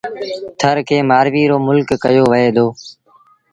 ٿر کي مآرويٚ رو ملڪ ڪهيو وهي دو۔